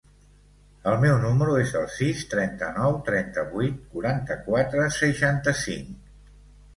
El meu número es el sis, trenta-nou, trenta-vuit, quaranta-quatre, seixanta-cinc.